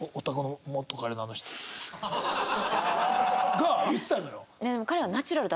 が言ってたのよ。